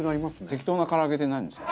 適当な唐揚げってなんですか？